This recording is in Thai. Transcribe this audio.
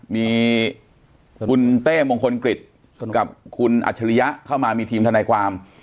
มีคุณเต้มงคลกฤษกับคุณอัจฉริยะเข้ามามีทีมทนายความ